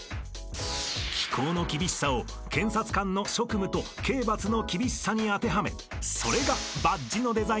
［気候の厳しさを検察官の職務と刑罰の厳しさに当てはめそれがバッジのデザインとなっています］